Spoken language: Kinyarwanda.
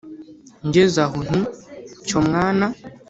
ngeze aho nti: “cyo mwana